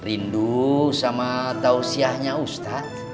rindu sama tausiahnya ustadz